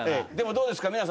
でもどうですか？